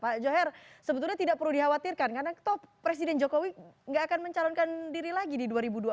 pak joher sebetulnya tidak perlu dikhawatirkan karena presiden jokowi nggak akan mencalonkan diri lagi di dua ribu dua puluh